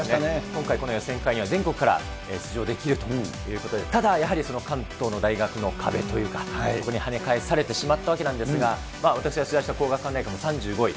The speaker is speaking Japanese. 今回、この予選会には全国から出場できるということで、ただやはり、関東の大学の壁というか、ここにはね返されてしまったわけなんですが、私が取材した皇學館大学も３５位。